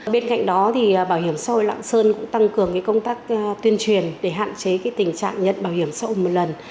bên cạnh đó bảo hiểm xã hội lạng sơn cũng tăng cường công tác tuyên truyền để hạn chế tình trạng nhận bảo hiểm xã hội một lần